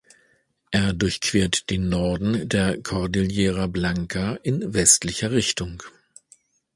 Er durchquert den Norden der Cordillera Blanca in westlicher Richtung.